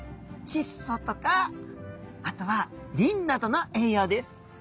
チッ素とかあとはリンなどの栄養です。